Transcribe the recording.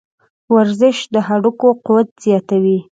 ورزش د هډوکو قوت زیاتوي.